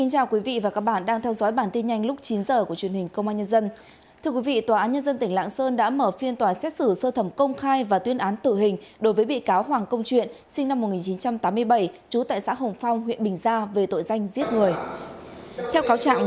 hãy đăng ký kênh để ủng hộ kênh của chúng mình nhé